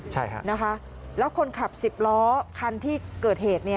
ใช่ค่ะนะคะแล้วคนขับสิบล้อคันที่เกิดเหตุ